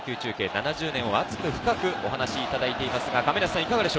７０年を熱く深くお話いただいています。